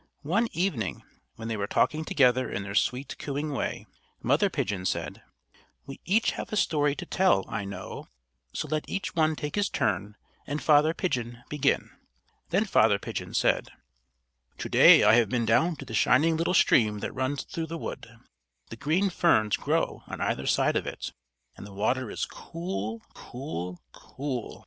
One evening, when they were talking together in their sweet, cooing way, Mother Pigeon said: "We each have a story to tell, I know; so let each one take his turn, and Father Pigeon begin." Then Father Pigeon said: "To day I have been down to the shining little stream that runs through the wood. The green ferns grow on either side of it, and the water is cool, cool, cool!